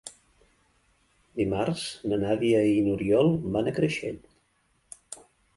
Dimarts na Nàdia i n'Oriol van a Creixell.